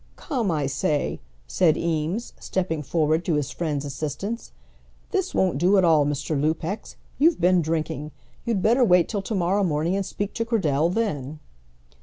"Come, I say," said Eames, stepping forward to his friend's assistance; "this won't do at all, Mr. Lupex. You've been drinking. You'd better wait till to morrow morning, and speak to Cradell then."